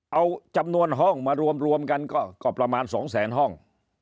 เอาจำนวนห้องมารวมกันก็ประมาณ๒แสนห้อง